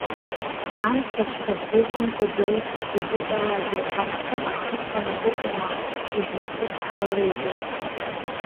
Амцаҵәҟьа бзеиқәымҵаӡои, ибыҵалазеи, акәты ахы ыфаны быҟоума, шьыжьнаҵы бҳалалеитеи!